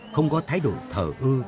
không có thái độ thở ưu